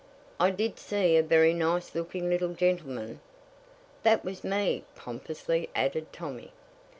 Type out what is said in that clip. "I did see a very nice looking little gentleman " "That was me," pompously added Tommy.